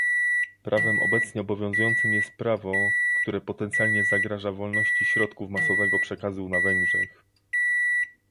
Prawem obecnie obowiązującym jest prawo, które potencjalnie zagraża wolności środków masowego przekazu na Węgrzech